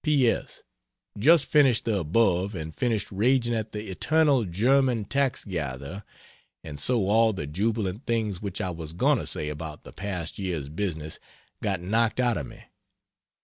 C. P. S. Just finished the above and finished raging at the eternal German tax gatherer, and so all the jubilant things which I was going to say about the past year's business got knocked out of me.